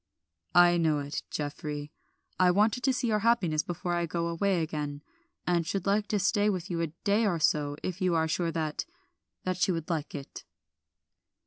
"I know it, Geoffrey. I wanted to see your happiness before I go away again, and should like to stay with you a day or so if you are sure that that she would like it."